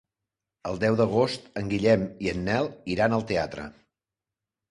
El deu d'agost en Guillem i en Nel iran al teatre.